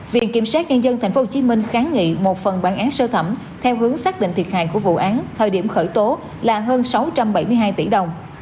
viện kiểm sát nhân dân tp hcm kháng nghị một phần bản án sơ thẩm theo hướng xác định thiệt hại của vụ án thời điểm khởi tố là hơn sáu trăm bảy mươi hai tỷ đồng